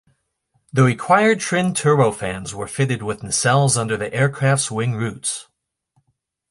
The required twin turbofans were fitted in nacelles under the aircraft's wing roots.